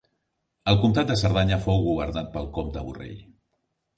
El Comtat de Cerdanya fou governat pel comte Borrell.